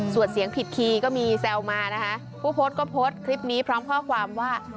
ส่วนเสียงผิดคีย์ก็มีแซวมานะคะผู้โพสต์ก็โพสต์คลิปนี้พร้อมข้อความว่า